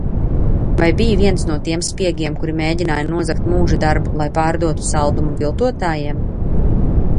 Vai biji viens no tiem spiegiem, kuri mēģināja nozagt mūžadarbu, lai pārdotu saldumu viltotājiem?